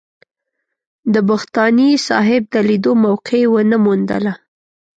د بختاني صاحب د لیدو موقع ونه موندله.